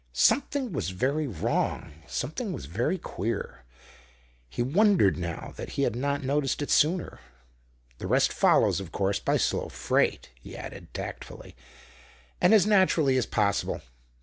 Something was very wrong, something was very queer; he wondered now that he had not noticed it sooner. "The rest follows, of course, by slow freight," he added tactfully, and as naturally as possible.